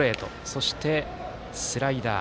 そして、スライダー。